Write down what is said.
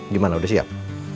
gimana udah siap